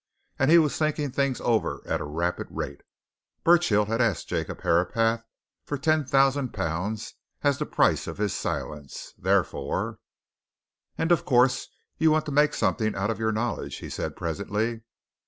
And he was thinking things over at a rapid rate. Burchill had asked Jacob Herapath for ten thousand pounds as the price of his silence; therefore "And, of course, you want to make something out of your knowledge?" he said presently.